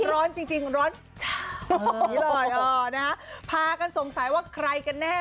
ร้อนจริงร้อนชาวพากันสงสัยว่าใครกันแน่